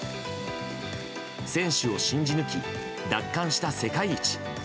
選手を信じ抜き、奪還した世界一。